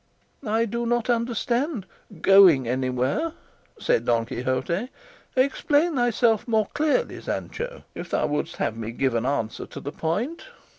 "I do not understand 'going anywhere,'" said Don Quixote; "explain thyself more clearly, Sancho, if thou wouldst have me give an answer to the point."